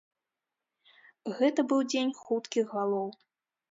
Гэта быў дзень хуткіх галоў.